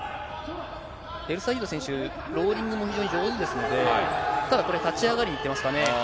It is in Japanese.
エルサイード選手、ローリングも非常に上手ですので、ただこれ、立ち上がりにいってますかね。